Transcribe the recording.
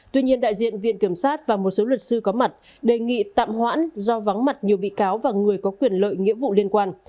tuy nhiên đại diện viện kiểm sát và một số luật sư có mặt đề nghị tạm hoãn do vắng mặt nhiều bị cáo và người có quyền lợi nghĩa vụ liên quan